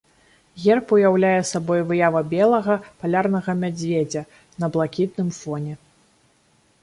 Герб уяўляе сабой выява белага палярнага мядзведзя на блакітным фоне.